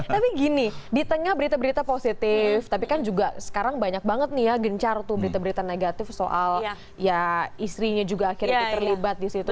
tapi gini di tengah berita berita positif tapi kan juga sekarang banyak banget nih ya gencar tuh berita berita negatif soal ya istrinya juga akhirnya terlibat disitu